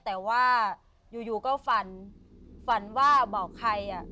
แต่ว่าอยู่ก็ฝันฝันว่าบอกใครอ่ะ